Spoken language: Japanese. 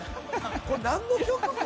これ何の曲？